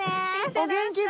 お元気で。